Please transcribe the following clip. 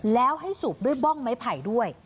แล้วให้สูบด้วยบ้องไม้ไผ่ด้วย